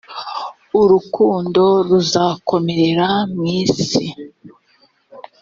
urukundo ruzakomerera mu isi